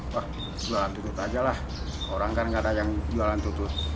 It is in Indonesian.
wah jualan tutut aja lah orang kan nggak ada yang jualan tutut